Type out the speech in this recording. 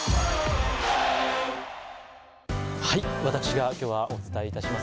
私が今日はお伝えします。